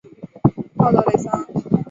奥德雷桑。